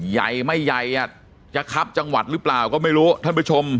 ใหญ่ไม่ใหญ่อ่ะจะคับจังหวัดหรือเปล่าก็ไม่รู้ท่านผู้ชม